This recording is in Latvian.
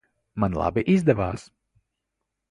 Man labi izdevās?